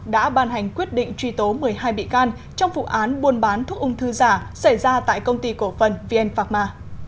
đã ban hành quyết định truy tố một mươi hai bị can trong vụ án buôn bán thuốc ung thư giả xảy ra tại công ty cổ phần vn phạc ma